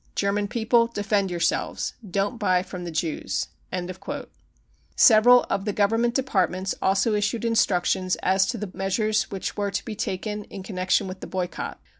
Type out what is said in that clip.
German people, defend yourselves ! Don't buy from the Jews ! 35 Several of the Government Departments also issued instructions as to the measures which were to be taken in connection with the boycott.